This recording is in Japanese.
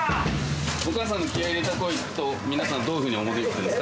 お母さんの気合い入れた声聞くと、皆さん、どういうふうに思うんですか？